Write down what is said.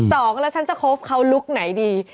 สองแล้วฉันจะคบเขาลุคไหนดี